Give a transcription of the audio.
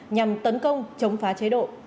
nhằm tấn công chống phá chế độ